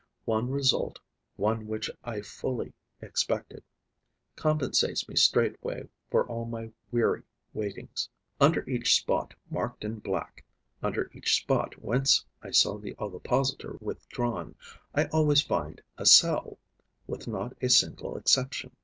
One result, one which I fully expected, compensates me straightway for all my weary waitings. Under each spot marked in black, under each spot whence I saw the ovipositor withdrawn, I always find a cell, with not a single exception.